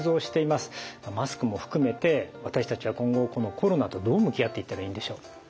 マスクも含めて私たちは今後このコロナとどう向き合っていったらいいんでしょう？